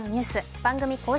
番組公式